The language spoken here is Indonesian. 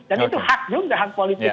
dan itu hak juga hak politik